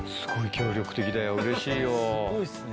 すごいっすね。